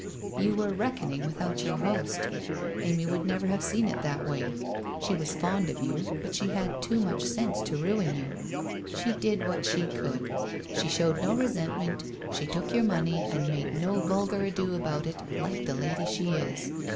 * You were reckoning without your host. Amy would never have seen it that way. She was fond of you, but she had too much sense to ruin you. She did what she could ; she showed no resentment, she took your money and made no vulgar ado about it, like the lady she is.